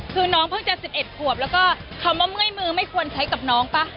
คือน้องเพิ่งจะ๑๑ขวบแล้วก็คำว่าเมื่อยมือไม่ควรใช้กับน้องป่ะ